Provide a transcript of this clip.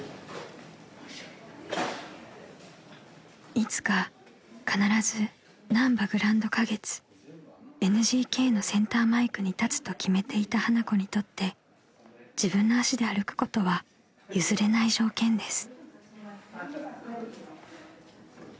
［いつか必ずなんばグランド花月ＮＧＫのセンターマイクに立つと決めていた花子にとって自分の足で歩くことは譲れない条件です］